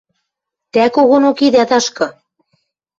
— Тӓ когонок идӓ ташкы...